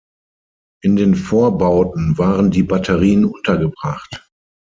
In den Vorbauten waren die Batterien untergebracht.